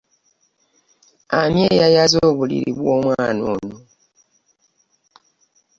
Ani eyayaze obuliri bw'omwana ono?